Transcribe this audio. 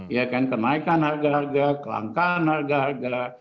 ya kan kenaikan harga harga kelangkaan harga harga